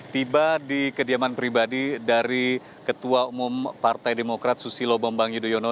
tiba di kediaman pribadi dari ketua umum partai demokrat susilo bambang yudhoyono